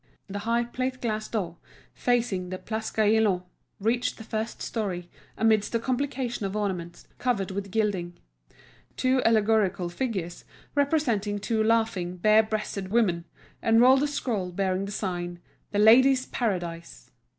The high plate glass door, facing the Place Gaillon, reached the first storey, amidst a complication of ornaments covered with gilding. Two allegorical figures, representing two laughing, bare breasted women, unrolled the scroll bearing the sign, "The Ladies' Paradise."